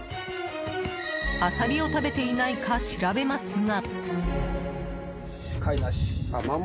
アサリを食べていないか調べますが。